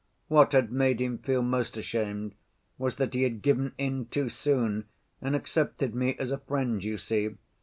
What had made him feel most ashamed was that he had given in too soon and accepted me as a friend, you see.